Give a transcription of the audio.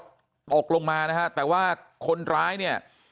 ก็ตกลงมานะฮะแต่ว่าคนร้ายเนี่ย